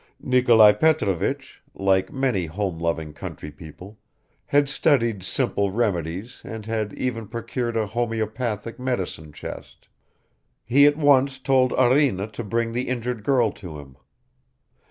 Nikolai Petrovich, like many homeloving country people, had studied simple remedies and had even procured a homeopathic medicine chest. He at once told Arina to bring the injured girl to him.